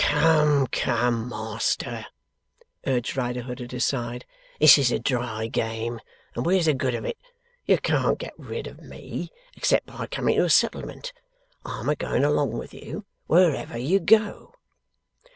'Come, come, Master,' urged Riderhood, at his side. 'This is a dry game. And where's the good of it? You can't get rid of me, except by coming to a settlement. I am a going along with you wherever you go.